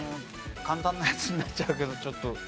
簡単なやつになっちゃうけどちょっと。